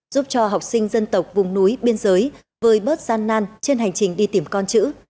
giúp cho học sinh dân tộc vùng núi biên giới vơi bớt gian nan trên hành trình đi tìm con chữ